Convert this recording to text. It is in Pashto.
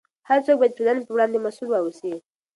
هر څوک باید د ټولنې په وړاندې مسؤل واوسي.